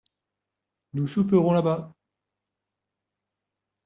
Nous souperons là-bas.